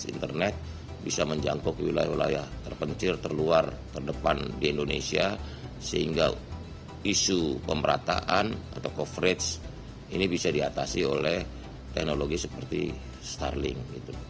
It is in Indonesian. isu pemerataan atau coverage ini bisa diatasi oleh teknologi seperti starlink